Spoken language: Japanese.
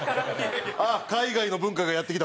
海外の文化がやって来た。